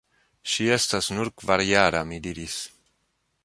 Ŝi estas nur kvarjara – mi diris.